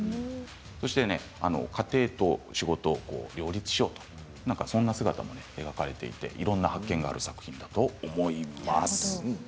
そして家庭と仕事を両立をしようとそんな姿も描かれていていろんな発見がある作品だと思います。